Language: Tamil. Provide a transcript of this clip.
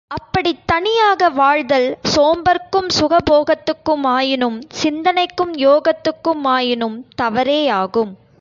அப்படித் தனியாக வாழ்தல் சோம்பற்கும் சுகபோகத்துக்கு மாயினும், சிந்தனைக்கும் யோகத்துக்கு மாயினும் தவறேயாகும்.